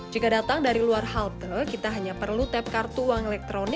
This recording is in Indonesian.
jika datang dari luar halte kita hanya perlu tap kartu dan kita bisa menuju ke halte bundaran hi